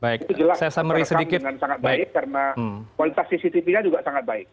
itu jelas terekam dengan sangat baik karena kualitas cctv nya juga sangat baik